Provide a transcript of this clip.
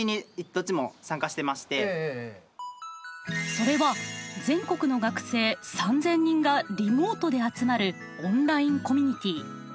それは全国の学生３，０００人がリモートで集まるオンラインコミュニティ。